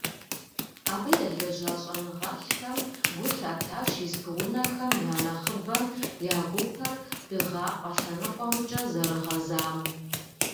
Абы елэжьа щIэныгъэлIхэм гу лъатащ испы унэхэм я нэхъыбэм я гупэр дыгъапIэ лъэныкъуэмкIэ зэрыгъэзам.